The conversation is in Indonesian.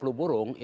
itu belum terjadi